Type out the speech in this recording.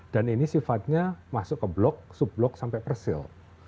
dan ini sifatnya masuk ke blok sub blok sampai persil